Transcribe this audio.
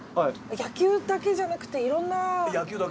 野球だけじゃなくていろんな。